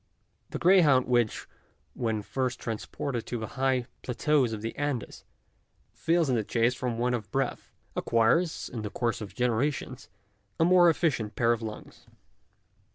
The greyhound which, when first transported to the high plateaus of the Andes, fails in the chase from want of breath, acquires, in the course of generations, a more efficient pair of lungs.